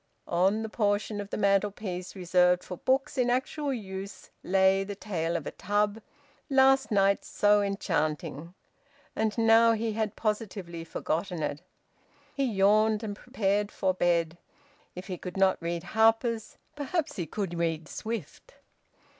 On the portion of the mantelpiece reserved for books in actual use lay the "Tale of a Tub," last night so enchanting. And now he had positively forgotten it. He yawned, and prepared for bed. If he could not read "Harper's," perhaps he could read Swift.